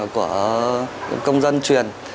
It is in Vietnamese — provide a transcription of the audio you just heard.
của công dân truyền